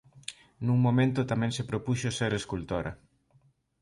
Nun momento tamén se propuxo ser escultora.